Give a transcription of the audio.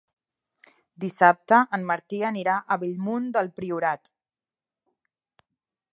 Dissabte en Martí anirà a Bellmunt del Priorat.